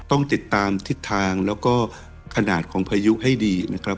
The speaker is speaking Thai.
ต้องติดตามทิศทางแล้วก็ขนาดของพายุให้ดีนะครับ